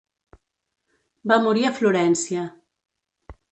Va morir a Florència.